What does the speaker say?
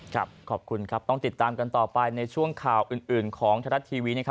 ขอบคุณครับต้องติดตามกันต่อไปในช่วงข่าวอื่นของไทยรัฐทีวี